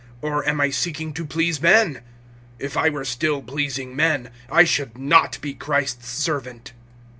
Or am I seeking to please men? If I were still pleasing men, I should not be Christ's servant.